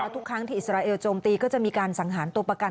ทุกครั้งที่อิสราเอลโจมตีก็จะมีการสังหารตัวประกัน